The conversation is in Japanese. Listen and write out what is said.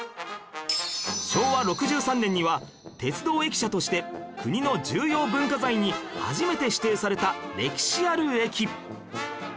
昭和６３年には鉄道駅舎として国の重要文化財に初めて指定された歴史ある駅